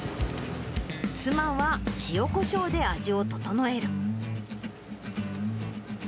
妻は塩こしょうで味を調える。